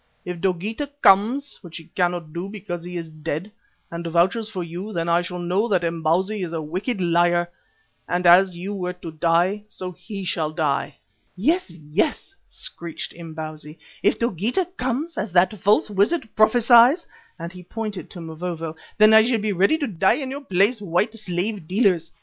If Dogeetah comes, which he cannot do because he is dead, and vouches for you, then I shall know that Imbozwi is a wicked liar, and as you were to die, so he shall die." "Yes, yes," screeched Imbozwi. "If Dogeetah comes, as that false wizard prophesies," and he pointed to Mavovo, "then I shall be ready to die in your place, white slave dealers.